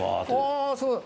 あすごい。